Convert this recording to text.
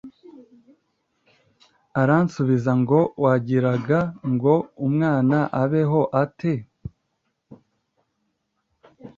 aransubiza ngo wagiraga ngo umwana abeho ate